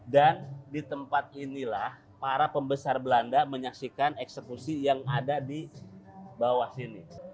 dan di tempat inilah para pembesar belanda menyaksikan eksekusi yang ada di bawah sini